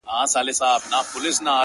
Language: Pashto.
هر گړى خــوشـــالـــه اوســـــــــــې.